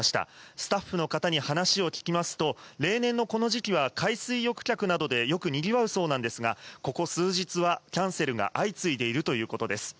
スタッフの方に話を聞きますと、例年のこの時期は、海水浴客などでよくにぎわうそうなんですが、ここ数日はキャンセルが相次いでいるということです。